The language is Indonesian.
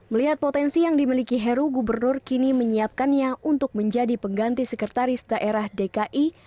melihat potensi yang dimiliki heru gubernur kini menyiapkannya untuk menjadi pengganti sekretaris daerah dki